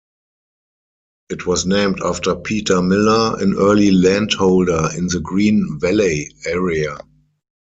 It was named after Peter Miller, an early landholder in the Green Valley area.